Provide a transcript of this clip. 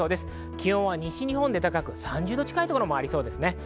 気温は西日本で高く３０度近いところもあります。